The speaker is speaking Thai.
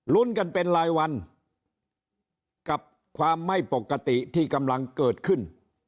รุ้นกันเป็นรายวันกับความไม่ปกติที่กำลังเกิดขึ้น